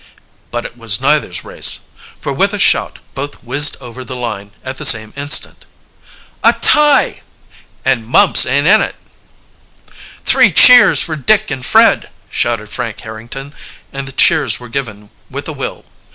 But it was neither's race for with a shout both whizzed over the line at the same instant. "A tie!" "And Mumps ain't in it!" "Three cheers for Dick and Fred!" shouted Frank Harrington, and the cheers were given with a will.